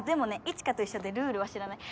一華と一緒でルールは知らない。